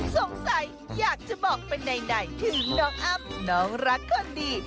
สงสัยอยากจะบอกเป็นใดถึงน้องอ้ำน้องรักคนดี